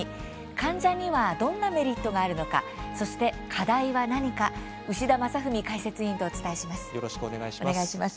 患者にはどんなメリットがあるのか、そして課題は何かよろしくお願いします。